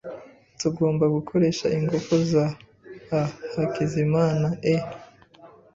Tugomba gukoresha ingufu za a Hakizimana e.